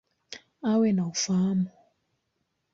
Awe na ufahamu.